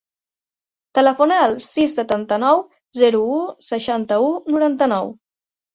Telefona al sis, setanta-nou, zero, u, seixanta-u, noranta-nou.